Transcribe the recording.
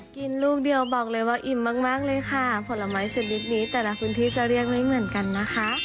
ลูกเดียวบอกเลยว่าอิ่มมากเลยค่ะผลไม้ชนิดนี้แต่ละพื้นที่จะเรียกไม่เหมือนกันนะคะ